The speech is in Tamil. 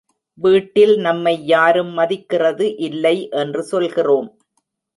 வீட்டில் நம்மை யாரும் மதிக்கிறது இல்லை என்று சொல்கிறோம்.